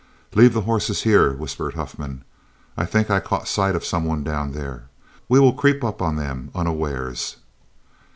"Leave the horses here," whispered Huffman, "I think I caught sight of some one down there. We will creep up on them unawares."